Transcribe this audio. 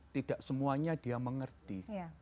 tidak semuanya dia mengerti